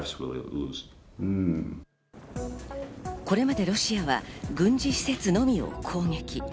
これまでロシアは軍事施設のみを攻撃。